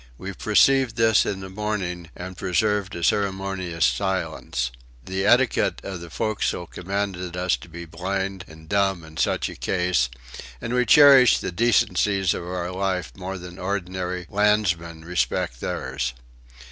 We perceived this in the morning, and preserved a ceremonious silence: the etiquette of the forecastle commanded us to be blind and dumb in such a case, and we cherished the decencies of our life more than ordinary landsmen respect theirs.